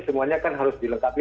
semuanya kan harus dilengkapi